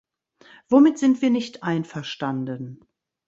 Womit sind wir nicht einverstanden?